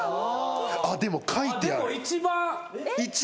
あっでも書いてある。